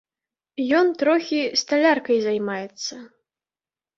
Ён трохі сталяркай займаецца.